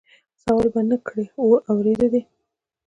سوال به نه کړې اورېده دي